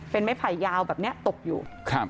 เป็นไม้ไผ่ยาวแบบนี้ตกอยู่